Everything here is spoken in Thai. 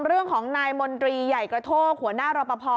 เรื่องของนายมนตรีใหญ่กระโทกหัวหน้ารอปภ